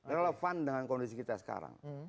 relevan dengan kondisi kita sekarang